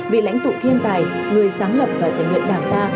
vị lãnh tụ thiên tài người sáng lập và giải nguyện đảng ta